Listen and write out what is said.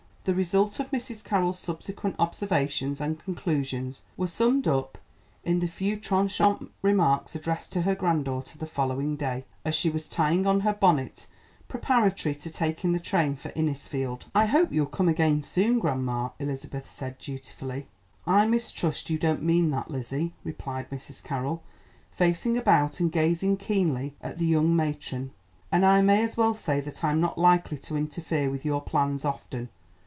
The result of Mrs. Carroll's subsequent observations and conclusions were summed up in the few trenchant remarks addressed to her granddaughter the following day, as she was tying on her bonnet preparatory to taking the train for Innisfield. "I hope you'll come again soon, grandma," Elizabeth said dutifully. "I mistrust you don't mean that, Lizzie," replied Mrs. Carroll, facing about and gazing keenly at the young matron, "and I may as well say that I'm not likely to interfere with your plans often.